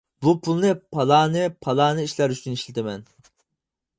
بۇ پۇلنى پالانى، پالانى ئىشلار ئۈچۈن ئىشلىتىمەن.